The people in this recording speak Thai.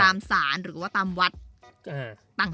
ตามศาลหรือว่าตามวัดต่าง